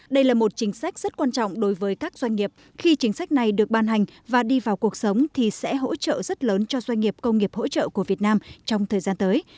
đây là một chính sách rất quan trọng đối với các doanh nghiệp khi chính sách này được ban hành và đi vào cuộc sống thì sẽ hỗ trợ rất lớn cho doanh nghiệp công nghiệp hỗ trợ của việt nam trong thời gian tới